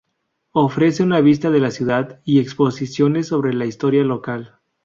Ofrece una vista de la ciudad y exposiciones sobre la historia local.